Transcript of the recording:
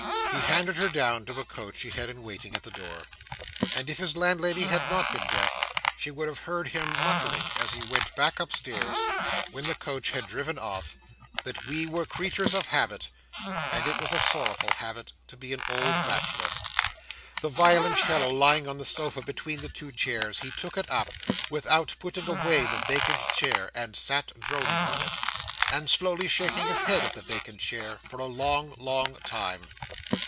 He handed her down to a coach she had in waiting at the door; and if his landlady had not been deaf, she would have heard him muttering as he went back upstairs, when the coach had driven off, that we were creatures of habit, and it was a sorrowful habit to be an old bachelor. The violoncello lying on the sofa between the two chairs, he took it up, without putting away the vacant chair, and sat droning on it, and slowly shaking his head at the vacant chair, for a long, long time.